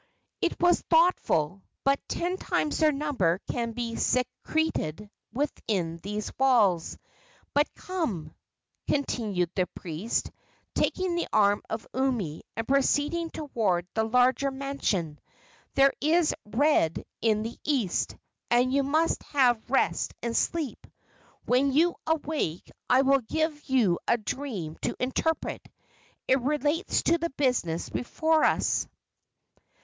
"It was thoughtful; but ten times their number can be secreted within these walls. But come," continued the priest, taking the arm of Umi and proceeding toward the larger mansion; "there is red in the east, and you must have rest and sleep. When you awake I will give you a dream to interpret. It relates to the business before us."